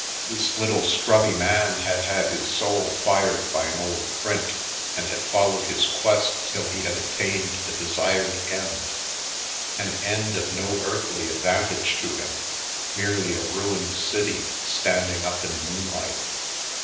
This little scrubby man had had his soul fired by an old print and had followed his quest till he had attained the desired end — an end of no earthly advantage to him, merely "a ruined city standing up in the moonlight."